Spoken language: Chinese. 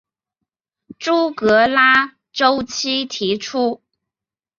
朱格拉周期提出。